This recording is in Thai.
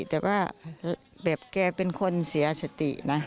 แต่ว่าแบบแกเป็นคนเสียสตินะ